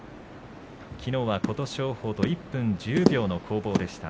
きのうは琴勝峰と１分１０秒の攻防でした。